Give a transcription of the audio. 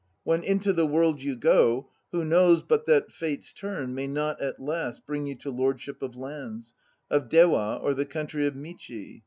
When into the world you go, who knows but that Fate's turn May not at last bring you to lordship of lands, Of Dewa or the country of Michi.